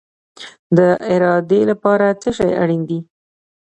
د ارادې لپاره څه شی اړین دی؟